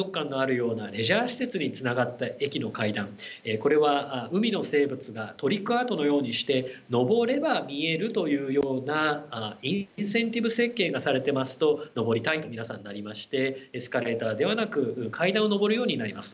これは海の生物がトリックアートのようにして上れば見えるというようなインセンティブ設計がされていますと上りたいと皆さんなりましてエスカレーターではなく階段を上るようになります。